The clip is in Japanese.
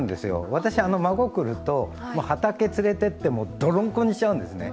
私、孫が来ると、畑、連れてってどろんこにしちゃうんですね。